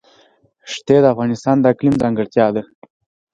ښتې د افغانستان د اقلیم ځانګړتیا ده.